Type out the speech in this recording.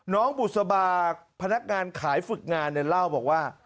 บุษบาพนักงานขายฝึกงานเนี่ยเล่าบอกว่า